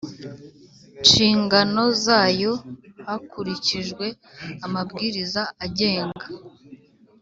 Nshingano zayo hakurikijwe amabwiriza agenga